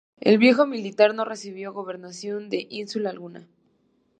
El viejo militar no recibió gobernación de ínsula alguna.